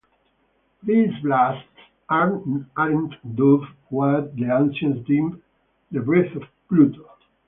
These blasts are no doubt what the ancients deemed the breath of Pluto.